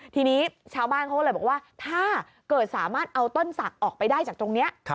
ทีนี้ชาวบ้านเขาก็เลยบอกว่าถ้าเกิดสามารถเอาต้นศักดิ์ออกไปได้จากตรงนี้